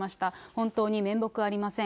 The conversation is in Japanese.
本当に面目ありません。